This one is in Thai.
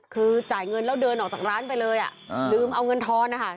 คือจ่ายเงินแล้วเดินออกจากร้านไปเลยอ่ะลืมเอาเงินทอนนะคะ